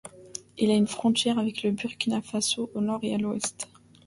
Il a une frontière avec le Burkina Faso au nord et à l'ouest.